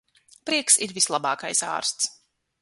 Prieks ir vislabākais ārsts.